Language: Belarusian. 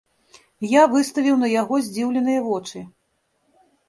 Я выставіў на яго здзіўленыя вочы.